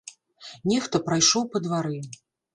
Нехта прайшоў па двары.